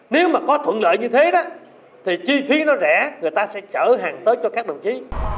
nếu mà có thuận lợi như thế đó thì chi phí nó rẻ người ta sẽ chở hàng tới cho các đồng chí